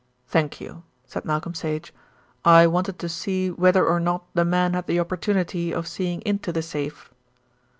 "Thank you," said Malcolm Sage. "I wanted to see whether or not the man had the opportunity of seeing into the safe."